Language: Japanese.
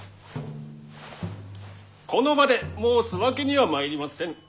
この場で申すわけにはまいりませぬ。